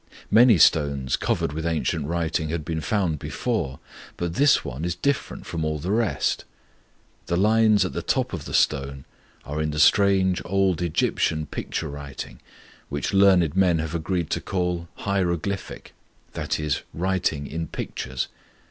Many stones covered with ancient writing had been found before, but this one is different from all the rest. The lines at the top of the stone are in the strange old Egyptian picture writing, which learned men have agreed to call 'Hieroglyphic'; that is, 'writing in pictures.'